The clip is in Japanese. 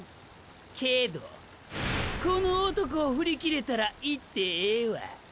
けどこの男を振り切れたら行ってええわ。